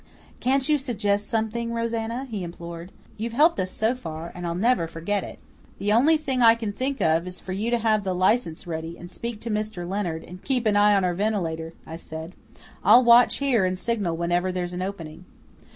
"Can't you suggest something, Rosanna?" he implored. "You've helped us so far, and I'll never forget it." "The only thing I can think of is for you to have the license ready, and speak to Mr. Leonard, and keep an eye on our ventilator," I said. "I'll watch here and signal whenever there's an opening."